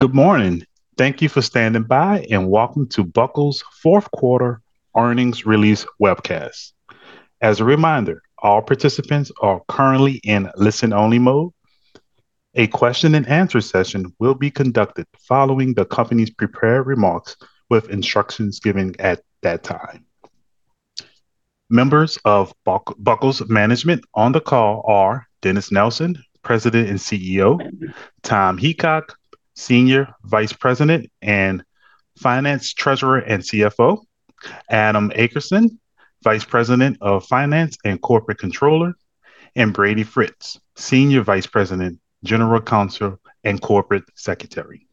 Good morning. Thank you for standing by, and welcome to Buckle's Fourth Quarter Earnings Release Webcast. As a reminder, all participants are currently in listen-only mode. A question and answer session will be conducted following the company's prepared remarks with instructions given at that time. Members of Buckle's management on the call are Dennis Nelson, President and CEO, Tom Heacock, Senior Vice President of Finance, Treasurer and CFO, Adam Akerson, Vice President of Finance and Corporate Controller, and Brady Fritz, Senior Vice President, General Counsel, and Corporate Secretary.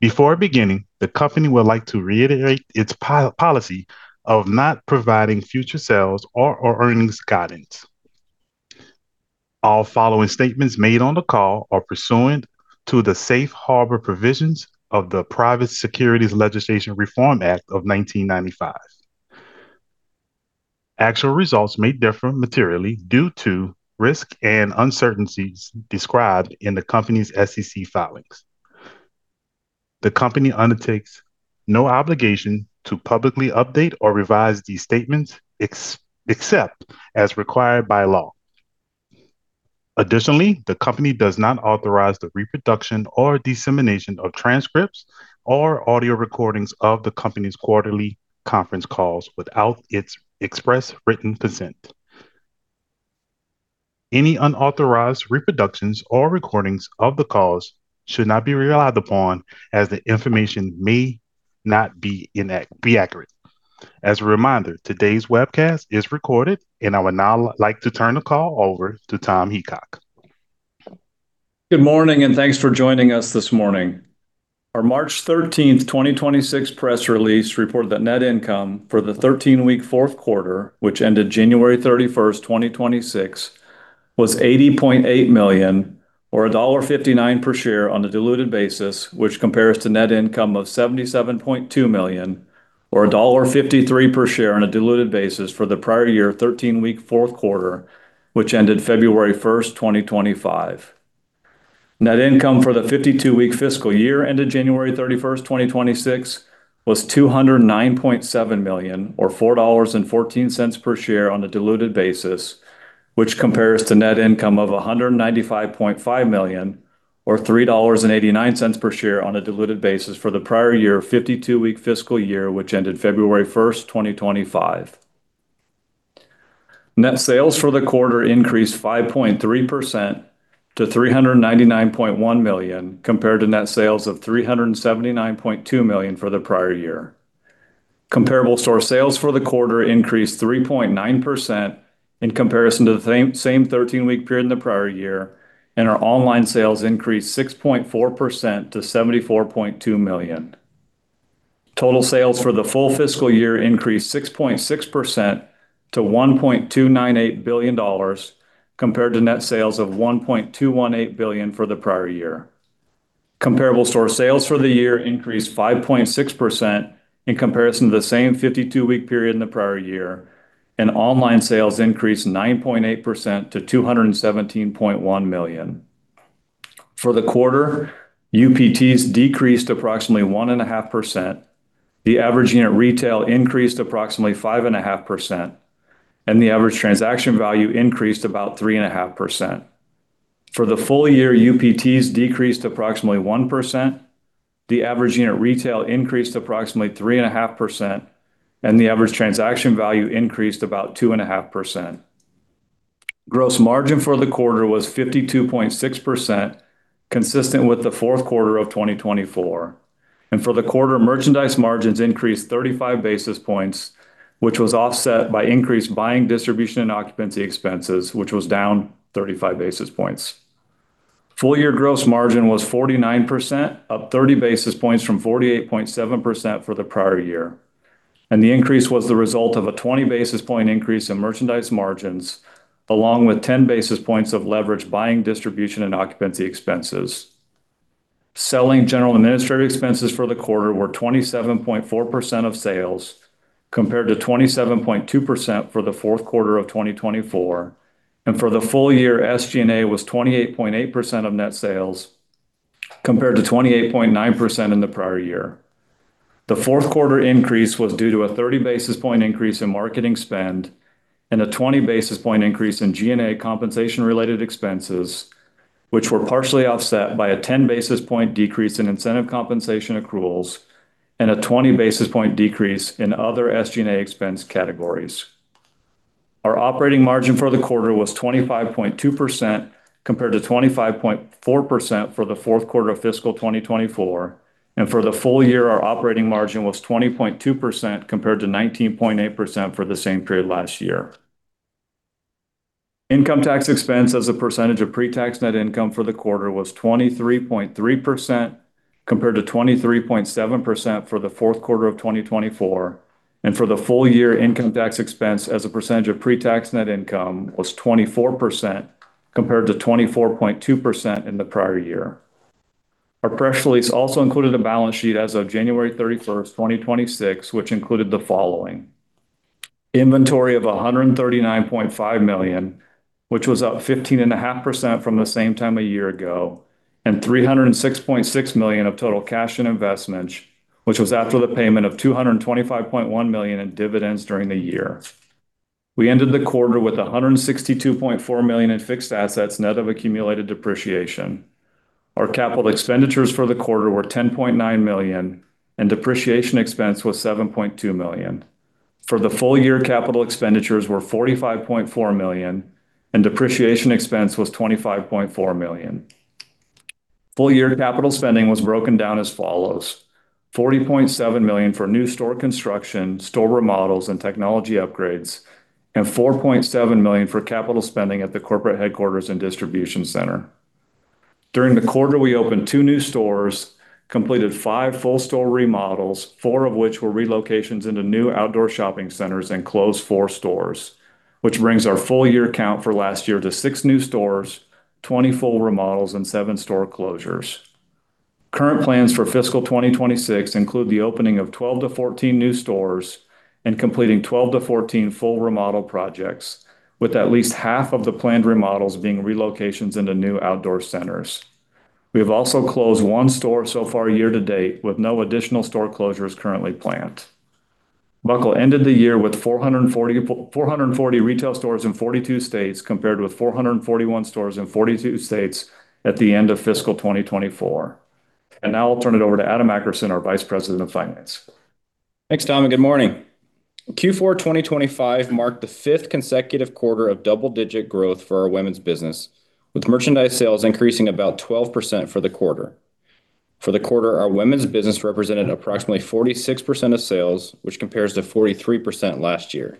Before beginning, the company would like to reiterate its policy of not providing future sales or earnings guidance. All following statements made on the call are pursuant to the safe harbor provisions of the Private Securities Litigation Reform Act of 1995. Actual results may differ materially due to risk and uncertainties described in the company's SEC filings. The company undertakes no obligation to publicly update or revise these statements except as required by law. Additionally, the company does not authorize the reproduction or dissemination of transcripts or audio recordings of the company's quarterly conference calls without its express written consent. Any unauthorized reproductions or recordings of the calls should not be relied upon as the information may not be accurate. As a reminder, today's webcast is recorded, and I would now like to turn the call over to Tom Heacock. Good morning, and thanks for joining us this morning. Our March 13, 2026 press release reported that net income for the 13-week fourth quarter, which ended January 31, 2026, was $80.8 million or $1.59 per share on a diluted basis, which compares to net income of $77.2 million or $1.53 per share on a diluted basis for the prior year 13-week fourth quarter, which ended February 1, 2025. Net income for the 52-week fiscal year ended January 31, 2026, was $209.7 million or $4.14 per share on a diluted basis, which compares to net income of $195.5 million or $3.89 per share on a diluted basis for the prior year 52-week fiscal year, which ended February 1, 2025. Net sales for the quarter increased 5.3% to $399.1 million compared to net sales of $379.2 million for the prior year. Comparable store sales for the quarter increased 3.9% in comparison to the same 13-week period in the prior year, and our online sales increased 6.4% to $74.2 million. Total sales for the full fiscal year increased 6.6% to $1.298 billion compared to net sales of $1.218 billion for the prior year. Comparable store sales for the year increased 5.6% in comparison to the same 52-week period in the prior year, and online sales increased 9.8% to $217.1 million. For the quarter, UPTs decreased approximately 1.5%. The average unit retail increased approximately 5.5%, and the average transaction value increased about 3.5%. For the full year, UPTs decreased approximately 1%. The average unit retail increased approximately 3.5%, and the average transaction value increased about 2.5%. Gross margin for the quarter was 52.6%, consistent with the fourth quarter of 2024. For the quarter, merchandise margins increased 35 basis points, which was offset by increased buying distribution and occupancy expenses, which was down 35 basis points. Full year gross margin was 49%, up 30 basis points from 48.7% for the prior year. The increase was the result of a 20 basis point increase in merchandise margins, along with 10 basis points of leverage buying distribution and occupancy expenses. Selling General Administrative Expenses for the quarter were 27.4% of sales, compared to 27.2% for the fourth quarter of 2024. For the full year, SG&A was 28.8% of net sales, compared to 28.9% in the prior year. The fourth quarter increase was due to a 30 basis point increase in marketing spend and a 20 basis point increase in G&A compensation related expenses, which were partially offset by a 10 basis point decrease in incentive compensation accruals and a 20 basis point decrease in other SG&A expense categories. Our operating margin for the quarter was 25.2%, compared to 25.4% for the fourth quarter of fiscal 2024. For the full year, our operating margin was 20.2%, compared to 19.8% for the same period last year. Income tax expense as a percentage of pre-tax net income for the quarter was 23.3%, compared to 23.7% for the fourth quarter of 2024. For the full year, income tax expense as a percentage of pre-tax net income was 24%, compared to 24.2% in the prior year. Our press release also included a balance sheet as of January 31, 2026, which included the following. Inventory of $139.5 million, which was up 15.5% from the same time a year ago, and $306.6 million of total cash and investments, which was after the payment of $225.1 million in dividends during the year. We ended the quarter with $162.4 million in fixed assets net of accumulated depreciation. Our capital expenditures for the quarter were $10.9 million, and depreciation expense was $7.2 million. For the full year, capital expenditures were $45.4 million, and depreciation expense was $25.4 million. Full year capital spending was broken down as follows, $40.7 million for new store construction, store remodels, and technology upgrades, and $4.7 million for capital spending at the corporate headquarters and distribution center. During the quarter, we opened two new stores, completed five full store remodels, four of which were relocations into new outdoor shopping centers, and closed four stores, which brings our full year count for last year to six new stores, 20 full remodels, and seven store closures. Current plans for fiscal 2026 include the opening of 12-14 new stores and completing 12-14 full remodel projects, with at least half of the planned remodels being relocations into new outdoor centers. We have also closed one store so far year to date with no additional store closures currently planned. Buckle ended the year with 440 retail stores in 42 states, compared with 441 stores in 42 states at the end of fiscal 2024. Now I'll turn it over to Adam Akerson, our Vice President of Finance. Thanks, Tom, and good morning. Q4 2025 marked the fifth consecutive quarter of double-digit growth for our women's business, with merchandise sales increasing about 12% for the quarter. For the quarter, our women's business represented approximately 46% of sales, which compares to 43% last year.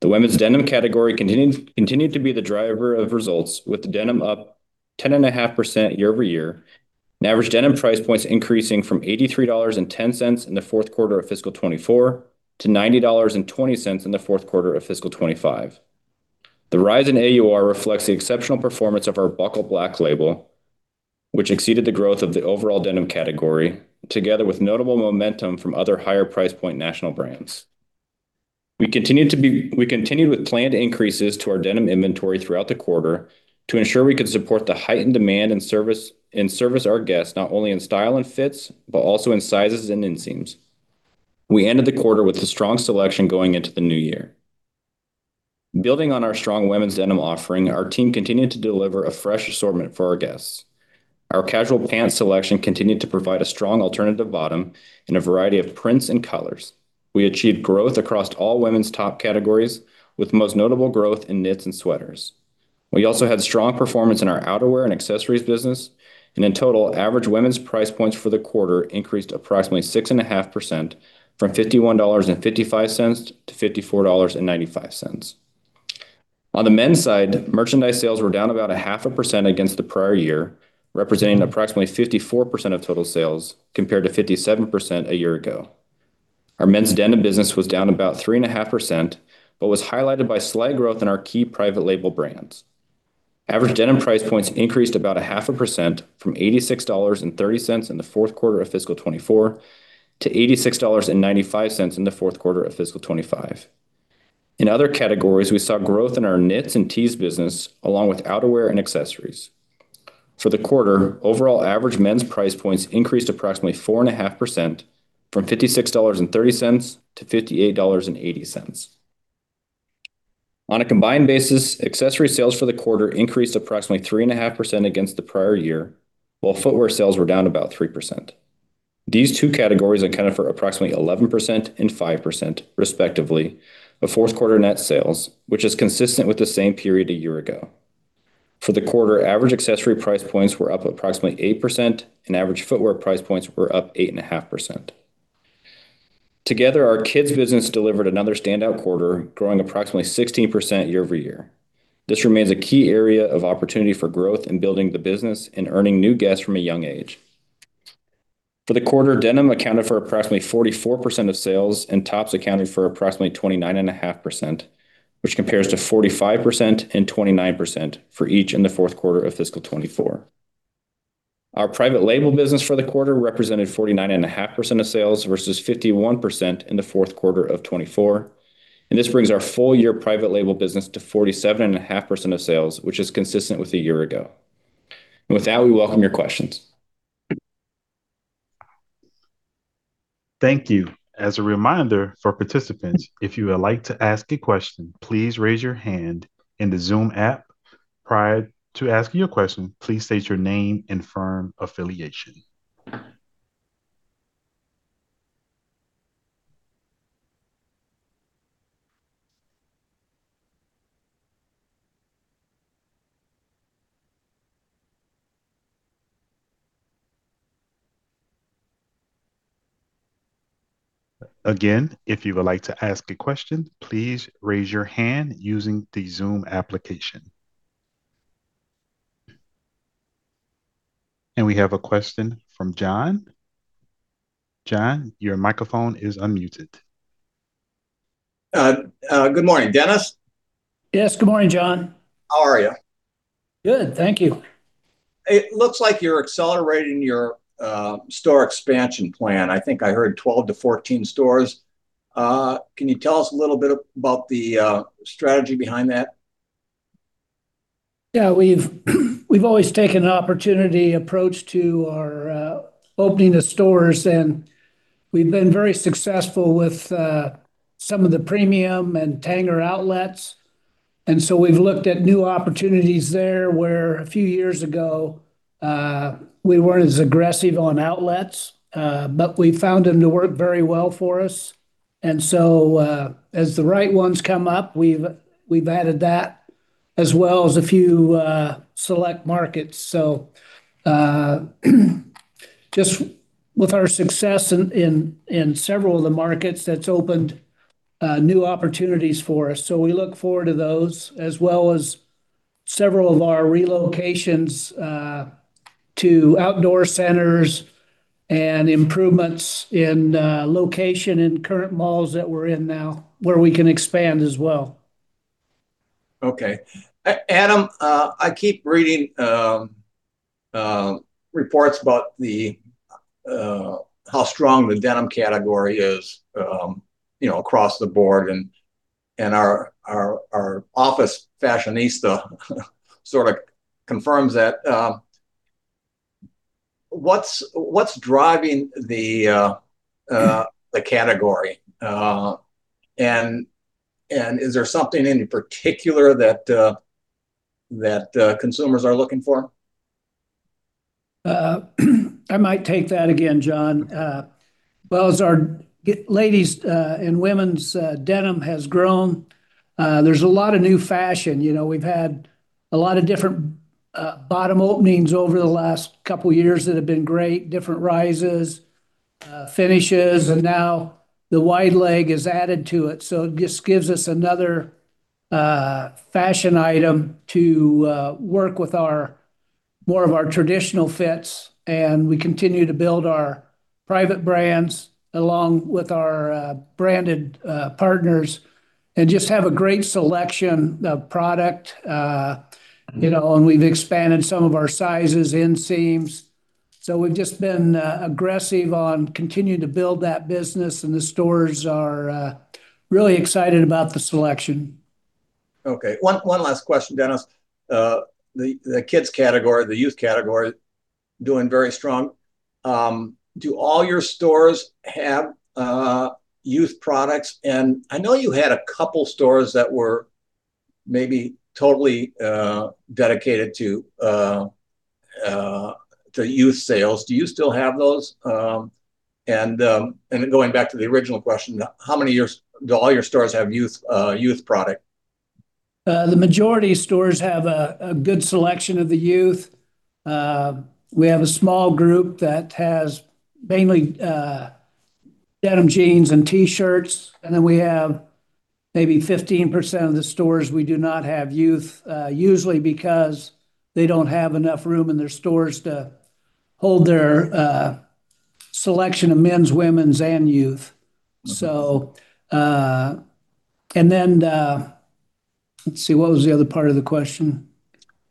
The women's denim category continued to be the driver of results, with denim up 10.5% year-over-year, and average denim price points increasing from $83.10 in the fourth quarter of fiscal 2024 to $90.20 in the fourth quarter of fiscal 2025. The rise in AUR reflects the exceptional performance of our Buckle Black label, which exceeded the growth of the overall denim category, together with notable momentum from other higher price point national brands. We continued with planned increases to our denim inventory throughout the quarter to ensure we could support the heightened demand and service our guests not only in style and fits but also in sizes and inseams. We ended the quarter with a strong selection going into the new year. Building on our strong women's denim offering, our team continued to deliver a fresh assortment for our guests. Our casual pants selection continued to provide a strong alternative bottom in a variety of prints and colors. We achieved growth across all women's top categories, with the most notable growth in knits and sweaters. We also had strong performance in our outerwear and accessories business. In total, average women's price points for the quarter increased approximately 6.5% from $51.55 to $54.95. On the men's side, merchandise sales were down about 0.5% against the prior year, representing approximately 54% of total sales compared to 57% a year ago. Our men's denim business was down about 3.5% but was highlighted by slight growth in our key private label brands. Average denim price points increased about 0.5% from $86.30 in the fourth quarter of fiscal 2024 to $86.95 in the fourth quarter of fiscal 2025. In other categories, we saw growth in our knits and tees business, along with outerwear and accessories. For the quarter, overall average men's price points increased approximately 4.5% from $56.30 to $58.80. On a combined basis, accessory sales for the quarter increased approximately 3.5% against the prior year, while footwear sales were down about 3%. These two categories accounted for approximately 11% and 5%, respectively, of fourth quarter net sales, which is consistent with the same period a year ago. For the quarter, average accessory price points were up approximately 8%, and average footwear price points were up 8.5%. Together, our kids business delivered another standout quarter, growing approximately 16% year-over-year. This remains a key area of opportunity for growth in building the business and earning new guests from a young age. For the quarter, denim accounted for approximately 44% of sales, and tops accounted for approximately 29.5%, which compares to 45% and 29% for each in the fourth quarter of fiscal 2024. Our private label business for the quarter represented 49.5% of sales versus 51% in the fourth quarter of 2024. This brings our full-year private label business to 47.5% of sales, which is consistent with a year ago. With that, we welcome your questions. Thank you. As a reminder for participants, if you would like to ask a question, please raise your hand in the Zoom app. Prior to asking your question, please state your name and firm affiliation. Again, if you would like to ask a question, please raise your hand using the Zoom application. We have a question from John. John, your microphone is unmuted. Good morning. Dennis? Yes. Good morning, John. How are you? Good. Thank you. It looks like you're accelerating your store expansion plan. I think I heard 12-14 stores. Can you tell us a little bit about the strategy behind that? Yeah, we've always taken an opportunity approach to our opening of stores, and we've been very successful with some of the premium and Tanger Outlets. We've looked at new opportunities there where a few years ago we weren't as aggressive on outlets, but we found them to work very well for us. As the right ones come up, we've added that as well as a few select markets. Just with our success in several of the markets, that's opened new opportunities for us. We look forward to those, as well as several of our relocations to outdoor centers and improvements in location in current malls that we're in now, where we can expand as well. Okay. Adam, I keep reading reports about how strong the denim category is, you know, across the board and our office fashionista sort of confirms that. What's driving the category? Is there something in particular that consumers are looking for? I might take that again, John. As our ladies and women's denim has grown, there's a lot of new fashion. You know, we've had a lot of different bottom openings over the last couple years that have been great, different rises, finishes, and now the wide leg is added to it. It just gives us another fashion item to work with more of our traditional fits, and we continue to build our private brands along with our branded partners and just have a great selection of product. You know, we've expanded some of our sizes, inseams. We've just been aggressive on continuing to build that business, and the stores are really excited about the selection. Okay. One last question, Dennis. The kids category, the youth category doing very strong. Do all your stores have youth products? I know you had a couple stores that were maybe totally dedicated to youth sales. Do you still have those? Going back to the original question, do all your stores have youth product? The majority of stores have a good selection of the youth. We have a small group that has mainly denim, jeans, and T-shirts. We have maybe 15% of the stores we do not have youth, usually because they don't have enough room in their stores to hold their selection of men's, women's, and youth. Let's see, what was the other part of the question?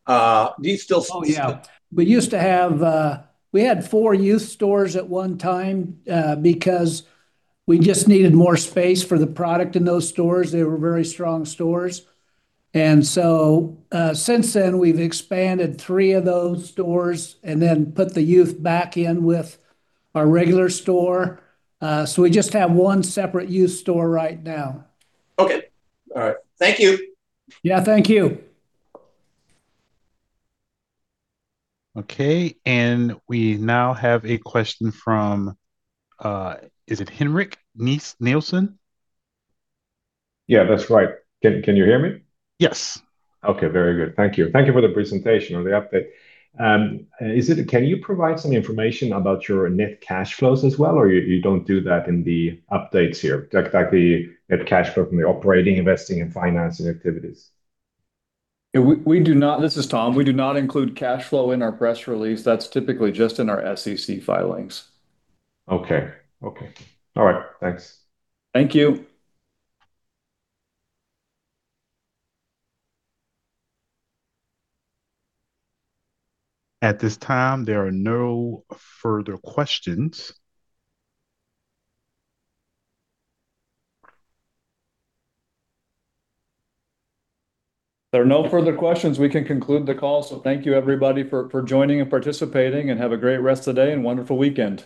Do you still-- Oh, yeah. We used to have four youth stores at one time because we just needed more space for the product in those stores. They were very strong stores. We've expanded three of those stores and then put the youth back in with our regular store. We just have one separate youth store right now. Okay. All right. Thank you. Yeah, thank you. Okay. We now have a question from, is it Henrik Nielsen? Yeah, that's right. Can you hear me? Yes. Okay. Very good. Thank you. Thank you for the presentation on the update. Can you provide some information about your net cash flows as well, or you don't do that in the updates here? Like, the net cash flow from the operating, investing, and financing activities. This is Tom. We do not include cash flow in our press release. That's typically just in our SEC filings. Okay. All right. Thanks. Thank you. At this time, there are no further questions. If there are no further questions, we can conclude the call. Thank you, everybody, for joining and participating, and have a great rest of the day and wonderful weekend.